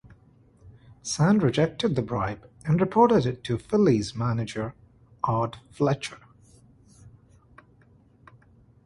Sand rejected the bribe and reported it to Phillies manager Art Fletcher.